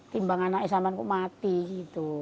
timbang anak sma nku mati gitu